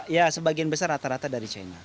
ya sebagian besar rata rata dari china